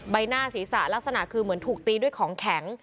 ใบหน้าศีรษะลักษณะคือเหมือนถูกตีด้วยของแข็ง